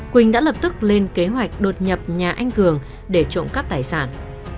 quỳnh đã lập tức lên kế hoạch đột nhập nhà anh cường để trộm cắp tài sản